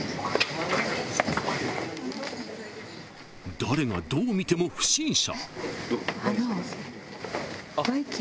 ［誰がどう見ても不審者］